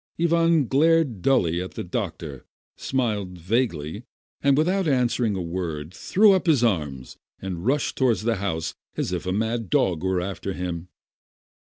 Ivan glared dully at the doctor, smiled vaguely, and without answering a word threw up his arms, and rushed toward the house as if a mad dog were after him.